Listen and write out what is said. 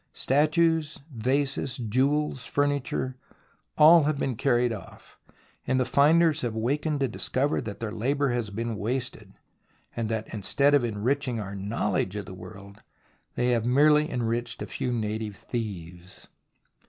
Statues, vases, jewels, furniture — all have been carried off, and the finders have wakened to discover that their labour has been wasted, and that instead of enriching our knowledge of the world they have merely enriched a few native thieves.